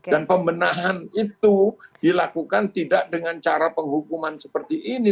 dan pembenahan itu dilakukan tidak dengan cara penghukuman seperti ini